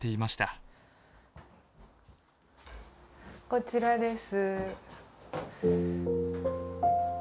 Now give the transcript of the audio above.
こちらです。